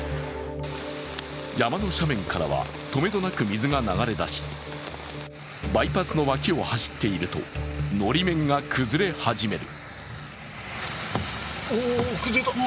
山の斜面からは止めどなく水が流れ出し、バイパスの脇を走っているとのり面が崩れ始める。